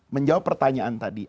menjawab pertanyaan tadi